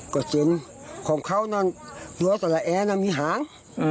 ก็ซึ้นของเขานั่นดัวสละแอมีหาง